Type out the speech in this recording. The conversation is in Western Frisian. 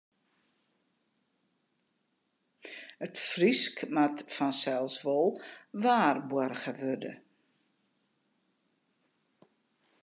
It Frysk moat fansels wol waarboarge wurde.